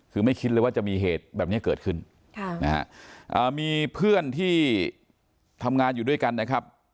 คือไม่คิดเลยว่าจะมีเหตุแบบนี้เกิดขึ้นมีเพื่อนที่ทำงานอยู่ด้วยกันนะครับ